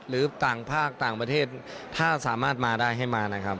หรือต่างภาคต่างประเทศถ้าสามารถมาได้ให้มานะครับ